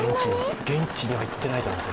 現地には行っていないと思います。